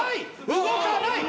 動かない！